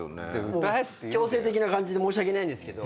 強制的な感じで申し訳ないんですけど。